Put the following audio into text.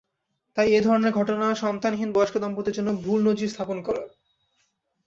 তাই এ ধরনের ঘটনা সন্তানহীন বয়স্ক দম্পতির জন্য ভুল নজির স্থাপন করে।